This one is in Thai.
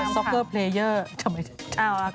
ซ็อกเกอร์เพลเยอร์ทำไม